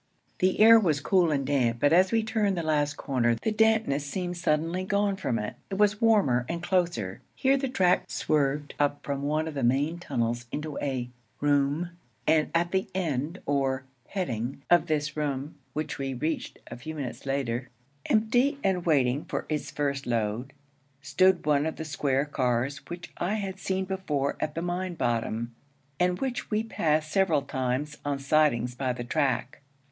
The air was cool and damp, but as we turned the last corner, the dampness seemed suddenly gone from it. It was warmer and closer. Here the track swerved up from one of the main tunnels into a 'room'; and at the end, or 'heading' of this room, which we reached a few minutes later, empty and waiting for its first load, stood one of the square cars which I had seen before at the mine bottom and which we passed several times on sidings by the track.